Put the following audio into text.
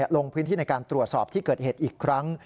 ลงพื้นที่ในการตรวจสอบที่เกิดเหตุอีกครั้ง